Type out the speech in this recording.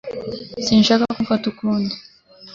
Sinshaka ko umfata ukundi